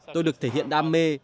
tôi được thể hiện đam mê